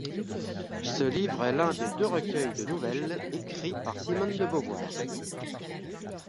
Ce livre est l'un des deux recueils de nouvelles écrits par Simone de Beauvoir.